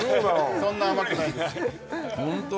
そんな甘くないですホント？